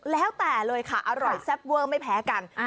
แล้วแต่เลยค่ะอร่อยแซ่บเวอร์ไม่แพ้กัน